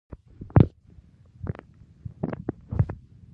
پای او مهر او لاسلیک هم پکې وي.